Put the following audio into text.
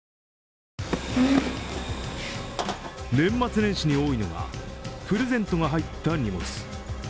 年末年始に多いのがプレゼントが入った荷物。